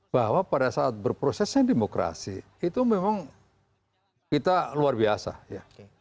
bahwa pada saat berprosesnya demokrasi itu memang kita luar biasa ya